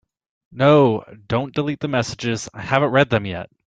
No, don’t delete the messages, I haven’t read them yet.